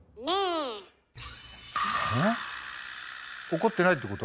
怒ってないってこと？